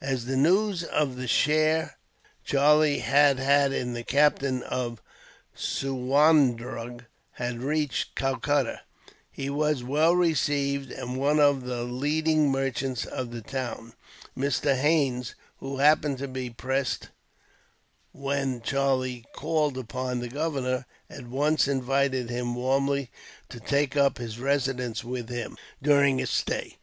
As the news of the share Charlie had had in the capture of Suwarndrug had reached Calcutta, he was well received; and one of the leading merchants of the town, Mr. Haines, who happened to be present when Charlie called upon the governor, at once invited him warmly to take up his residence with him, during his stay.